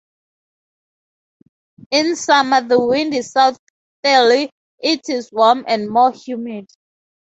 In summer the wind is southerly; it is warm and more humid.